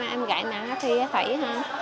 em gãy nắng khi thịt